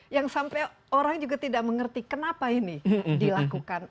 yang sampai orang juga tidak mengerti kenapa ini dilakukan